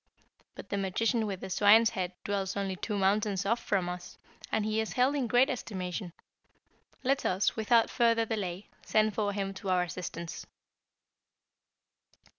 But the magician with the swine's head dwells only two mountains off from us, and he is held in great estimation; let us, without further delay, send for him to our assistance.'